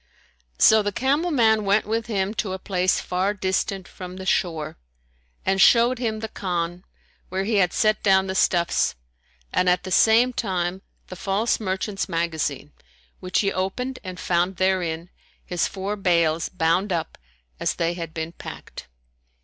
So the camel man went with him to a place far distant from the shore and showed him the Khan where he had set down the stuffs, and at the same time the false merchant's magazine, which he opened and found therein his four bales bound up as they had been packed.